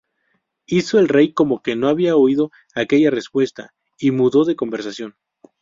Hizo el rey como que no había oído aquella respuesta y mudó de conversación.